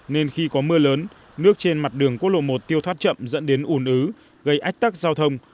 nên khi có mưa lớn nước trên mặt đường quốc lộ một tiêu thoát chậm dẫn đến ủn ứ gây ách tắc giao thông